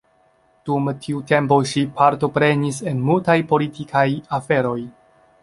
Dum tiu tempo ŝi partoprenis en multaj politikaj aferoj.